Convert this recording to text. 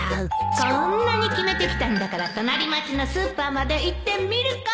こんなにキメてきたんだから隣町のスーパーまで行ってみるか！